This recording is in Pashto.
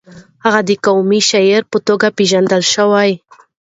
هغه د قامي شاعر په توګه پېژندل شوی.